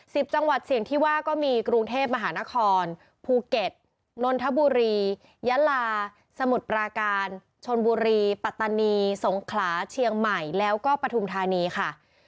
จังหวัดเสี่ยงที่ว่าก็มีกรุงเทพมหานครภูเก็ตนนทบุรียะลาสมุทรปราการชนบุรีปัตตานีสงขลาเชียงใหม่แล้วก็ปฐุมธานีค่ะ